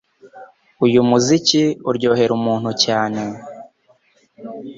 Uyu muziki uryohera umuntu cyane.